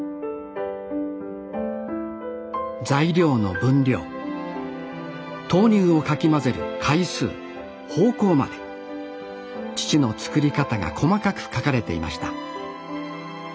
材料の分量豆乳をかき混ぜる回数方向まで父の作り方が細かく書かれていました